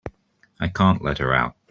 I can't let her out.